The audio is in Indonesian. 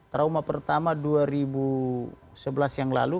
trauma pertama dua ribu sebelas yang lalu